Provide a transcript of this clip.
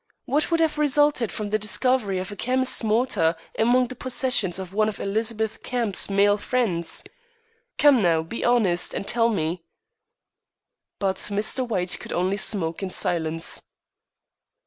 What would have resulted from the discovery of a chemist's mortar among the possessions of one of Elizabeth Camp's male friends? Come now, be honest, and tell me." But Mr. White could only smoke in silence.